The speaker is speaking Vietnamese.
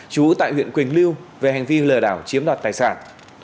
chú tại huyện quỳnh lưu về hành vi lừa đảo chiếm đoạt tài sản